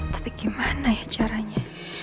tapi gimana ya caranya